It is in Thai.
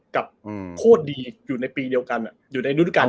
กับโหดดีอยู่ในโดทการณ์เดียวกัน